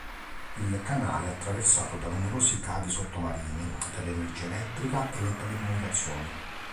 Il canale è attraversato da numerosi cavi sottomarini per l'energia elettrica e le telecomunicazioni.